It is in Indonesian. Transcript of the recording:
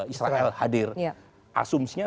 israel hadir asumsinya